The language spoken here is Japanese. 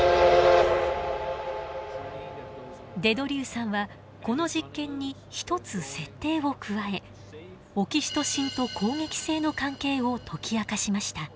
デ・ドリューさんはこの実験に１つ設定を加えオキシトシンと攻撃性の関係を解き明かしました。